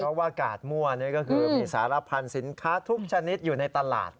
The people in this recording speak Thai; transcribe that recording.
เพราะว่ากาดมั่วนี่ก็คือมีสารพันธุ์สินค้าทุกชนิดอยู่ในตลาด